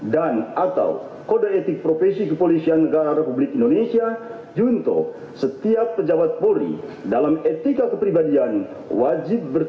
dan atau kode etik profesi kepolisian negara republik indonesia juntuh setiap pejabat polri dalam etika kepribadian wajib bertugas